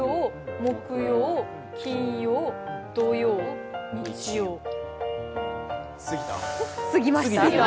木曜、金曜、土曜、日曜？過ぎました。